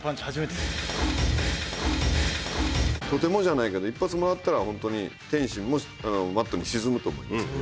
とてもじゃないけど一発もらったらホントに天心もマットに沈むと思いますね。